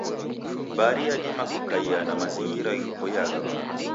Bhari yadima kukaia na mazingira ghipoiagha wandu.